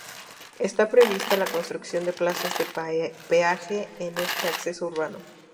Está prevista la construcción de plazas de peaje en este acceso urbano.